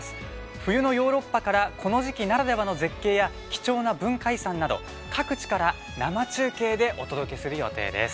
冬のヨーロッパからこの時期ならではの絶景や貴重な文化遺産など、各地から生中継でお届けする予定です。